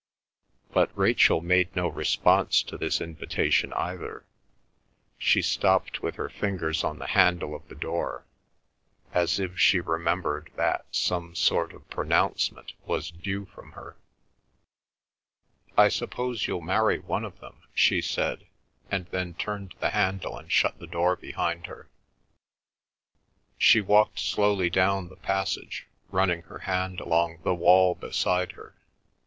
But Rachel made no response to this invitation either. She stopped with her fingers on the handle of the door, as if she remembered that some sort of pronouncement was due from her. "I suppose you'll marry one of them," she said, and then turned the handle and shut the door behind her. She walked slowly down the passage, running her hand along the wall beside her.